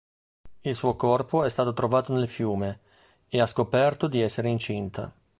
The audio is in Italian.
Il suo corpo è stato trovato nel fiume, e ha scoperto di essere incinta.